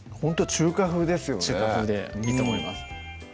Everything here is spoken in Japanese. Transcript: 中華風でいいと思います